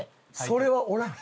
それはおらん！